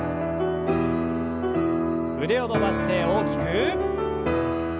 腕を伸ばして大きく。